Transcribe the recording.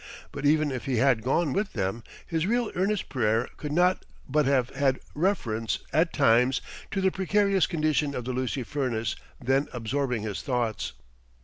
But even if he had gone with them his real earnest prayer could not but have had reference at times to the precarious condition of the Lucy Furnace then absorbing his thoughts.